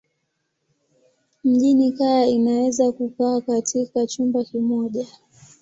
Mjini kaya inaweza kukaa katika chumba kimoja.